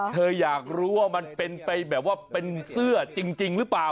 อยากรู้ว่ามันเป็นไปแบบว่าเป็นเสื้อจริงหรือเปล่า